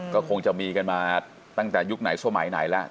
ก็คงจะมีกันมาตั้งแต่ยุคไหนสมัยไหนแล้ว